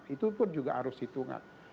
itu pun juga harus hitungan